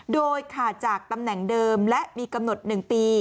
โดยขาดจากตำแหน่งเดิมและมีกำหนด๑ปี